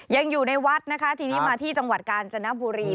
ยังอยู่ในวัดนะคะทีนี้มาที่จังหวัดกาญจนบุรี